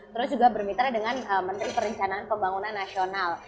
terus juga bermitra dengan menteri perencanaan pembangunan nasional